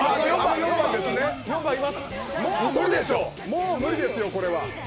もう無理ですよ、これは。